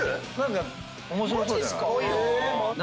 ⁉面白そうじゃない。